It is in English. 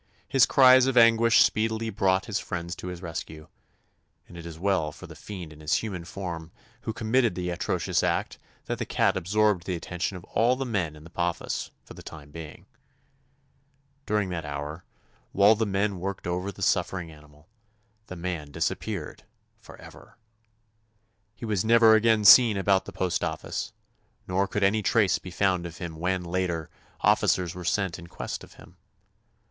His cries of anguish speedily brought his friends to his rescue, and it is well for the fiend in human form who committed the atrocious act that the cat absorbed the attention of all the men in the office for the time being. During that hour, while the men worked over 180 TOMMY POSTOFFICE the suffering animal, the man disap peared forever. He was never again seen about the postoffice, nor could any trace be found of him when, later, officers were sent in quest of him.